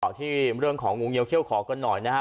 ที่เรื่องของงูเงียเขี้ยขอกันหน่อยนะฮะ